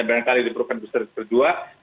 lebih agar kita anggota masyarakat itu bisa terlindung